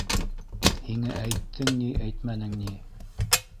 Һиңә әйттең ни, әйтмәнең ни!